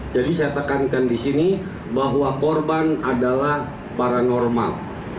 jadi saya tekankan di sini bahwa korban adalah paranormal